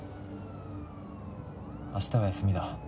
明日は休みだ。